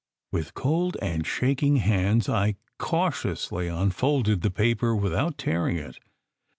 With cold and shaking fingers I cautiously unfolded the paper without tearing it.